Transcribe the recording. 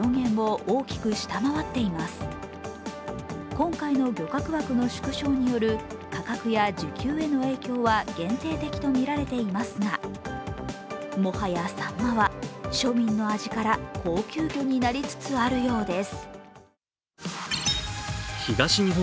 今回の漁獲枠の縮小による価格や需給への影響は限定的とみられていますが、もはやさんまは庶民の味から高級魚になりつつあるようです。